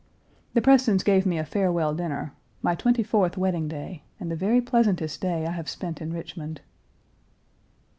The Prestons gave me a farewell dinner; my twenty fourth wedding day, and the very pleasantest day I have spent in Richmond.